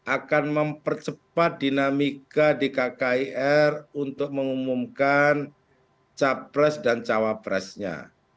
akan mempercepat dinamika di kkir untuk mengumumkan capres dan cawapresnya